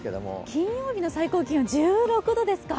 金曜日の最高気温、１６度ですか。